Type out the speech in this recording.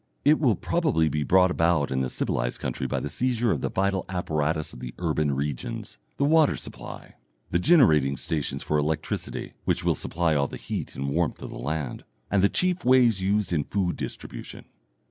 It will probably be brought about in a civilized country by the seizure of the vital apparatus of the urban regions the water supply, the generating stations for electricity (which will supply all the heat and warmth of the land), and the chief ways used in food distribution.